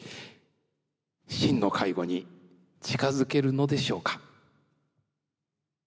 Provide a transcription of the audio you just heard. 真の介護に近づけるのでしょうか？